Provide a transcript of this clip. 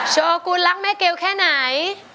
โชกุลรักแม่เกลแค่ไหน